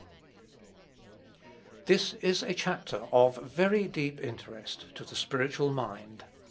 This is a chapter of very deep interest to the spiritual mind.